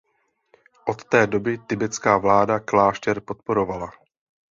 Od té doby tibetská vláda klášter podporovala.